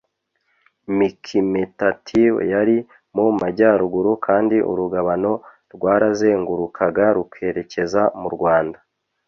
mikimetatiw yari mu majyaruguru kandi urugabano rwarazengurukaga rukerekeza murwanda